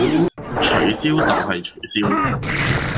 取消就係取消